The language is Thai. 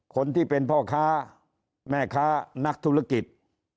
คนที่เป็นพ่อค้าแม่ค้านักธุรกิจ